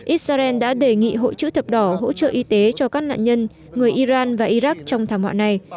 israel đã đề nghị hội chữ thập đỏ hỗ trợ y tế cho các nạn nhân người iran và iraq trong thảm họa này